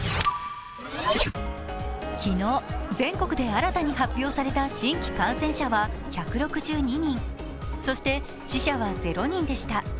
昨日、全国で新たに発表された新規感染者は１６２人、そして死者は０人でした。